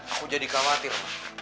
aku jadi khawatir mak